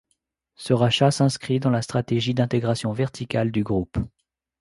Ce rachat s’inscrit dans la stratégie d’intégration verticale du groupe.